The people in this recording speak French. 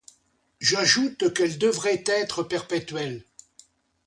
J'ajoute qu'elle devrait être perpétuelle.